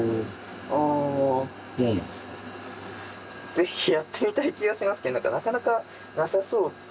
是非やってみたい気がしますけどなかなかなさそう。